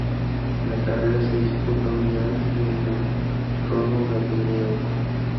La carrera se disputa un día antes de la Chrono Gatineau.